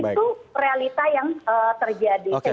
itu realita yang terjadi